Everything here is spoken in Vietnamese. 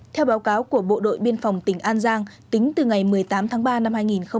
theo báo cáo của bộ đội biên phòng tỉnh an giang tính từ ngày một mươi tám tháng ba năm hai nghìn một mươi chín